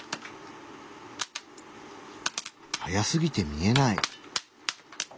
速すぎて見えない。